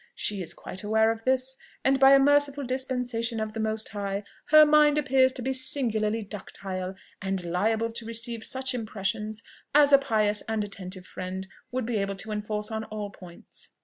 She is quite aware of this, and by a merciful dispensation of the Most High, her mind appears to be singularly ductile, and liable to receive such impressions as a pious and attentive friend would be able to enforce on all points.